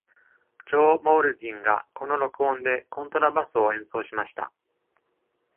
ジョー・モールディンがこの録音でコントラバスを演奏しました。